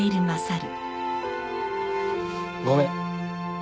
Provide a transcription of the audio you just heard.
ごめん。